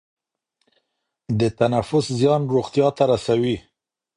د تنفس زیان روغتیا ته رسوي.